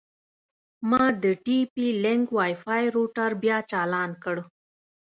ما د ټي پي لینک وای فای روټر بیا چالان کړ.